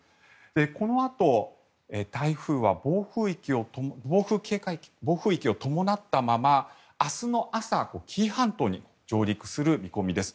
このあと台風は暴風域を伴ったまま明日の朝紀伊半島に上陸する見込みです。